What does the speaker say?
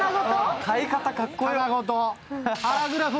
買い方、かっこいい。